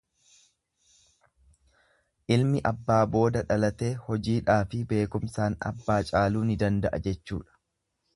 lImi abbaa booda dhalatee hojiidhaafi beekumsaan abbaa caaluu ni danda'a jechuudha.